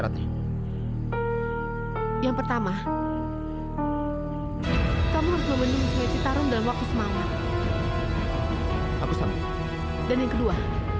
dan yang kedua